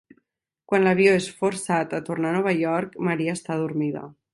Quan l'avió és forçat a tornar a Nova York, Maria està adormida.